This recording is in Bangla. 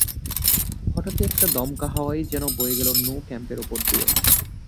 হঠাৎই একটা দমকা হাওয়াই যেন বয়ে গেল ন্যু ক্যাম্পের ওপর দিয়ে।